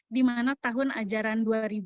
di mana tahun ajaran dua ribu dua puluh